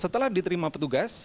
setelah diterima petugas